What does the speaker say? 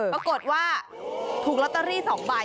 ปรากฏว่าถูกลอตเตอรี่๒ใบ